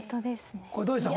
これどうでした？